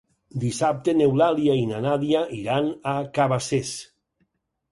Dissabte n'Eulàlia i na Nàdia iran a Cabacés.